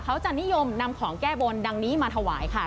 เขาจะนิยมนำของแก้บนดังนี้มาถวายค่ะ